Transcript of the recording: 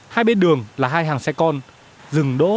hai bên đường là hai hàng xe con